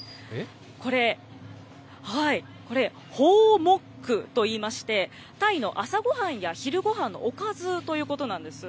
これ、ホーモックといいまして、タイの朝ごはんや昼ごはんのおかずということなんです。